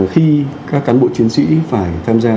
khi các cán bộ chiến sĩ phải tham gia